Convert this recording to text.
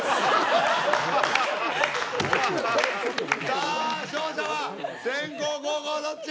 さあ勝者は先攻後攻どっち？